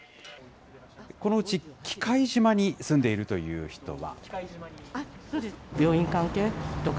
このうち、喜界島に住んでいるという人は。